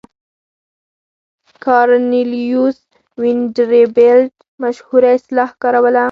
کارنلیوس وینډربیلټ مشهوره اصطلاح کاروله.